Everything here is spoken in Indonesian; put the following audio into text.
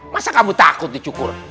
masa kamu takut dicukur